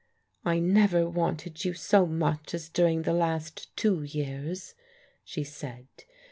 " I never wanted you so much as during the last two years," she said.